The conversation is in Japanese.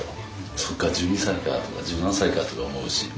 そっか１２歳かとか１７歳かとか思うしま